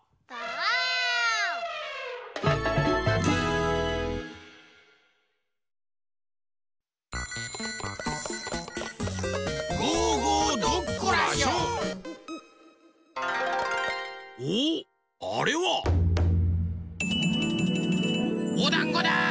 おおっあれは！おだんごだ！